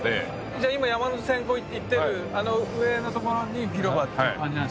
じゃ今山手線行ってるあの上のところに広場っていう感じなんですね。